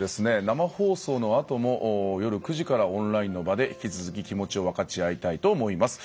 生放送のあとも夜９時からオンラインの場で引き続き気持ちを分かち合いたいと思います。